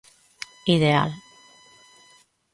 Ideal.